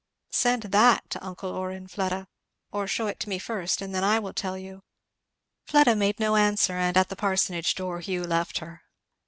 "Send that to uncle Orrin, Fleda; or shew it to me first and then I will tell you." Fleda made no answer; and at the parsonage door Hugh left her.